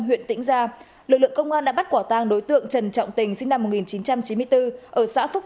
huyện tĩnh gia lực lượng công an đã bắt quả tang đối tượng trần trọng tình sinh năm một nghìn chín trăm chín mươi bốn ở xã phúc